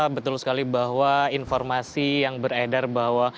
betul sekali bahwa informasi yang beredar bahwa